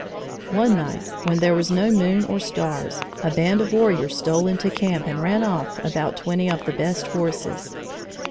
One night, when there was no moon or stars, a band of warriors stole into camp and ran off about twenty of the best horses.